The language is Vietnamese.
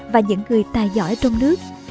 và những người tài giỏi trong nước